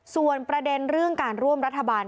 ส่วนประเด็นเรื่องการร่วมรัฐบาล